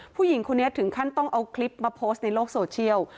ผู้หญิงคนนี้ถึงขั้นต้องเอาคลิปมาโพสต์ในโลกโซเชียล